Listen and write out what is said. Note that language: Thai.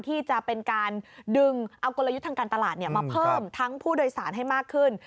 ที่จะเป็นการดึงเอากลยุทธ์ทางการตลาดมาเพิ่มทั้งผู้โดยสารให้มากขึ้น